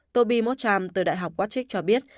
toby mottram từ đại học washington cho biết